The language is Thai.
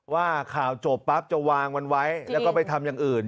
ว่าข่าวจบปั๊บจะวางมันไว้แล้วก็ไปทำอย่างอื่น